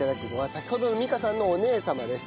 先ほどの美香さんのお姉様です。